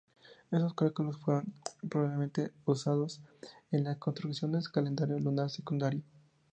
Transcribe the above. Estos cálculos fueron probablemente usados en la construcción del calendario lunar secundario.